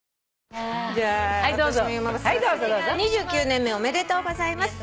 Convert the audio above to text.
「２９年目おめでとうございます」